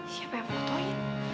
siapa yang fotoin